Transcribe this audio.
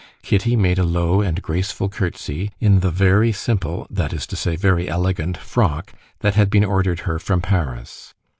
Kitty made a low and graceful curtsey in the very simple, that is to say, very elegant frock that had been ordered her from Paris.